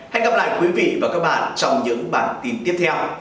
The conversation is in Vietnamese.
hẹn gặp lại quý vị và các bạn trong những bản tin tiếp theo